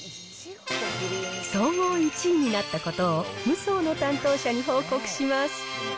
総合１位になったことをムソーの担当者に報告します。